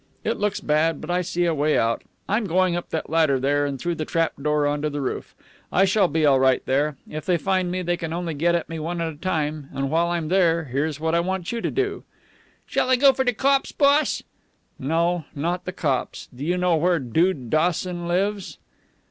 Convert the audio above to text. "It looks bad, but I see a way out. I'm going up that ladder there and through the trapdoor on to the roof. I shall be all right there. If they find me, they can only get at me one at a time. And, while I'm there, here's what I want you to do." "Shall I go for de cops, boss?" "No, not the cops. Do you know where Dude Dawson lives?"